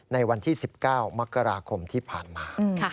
ในวันที่๑๙มกราคมที่ผ่านมา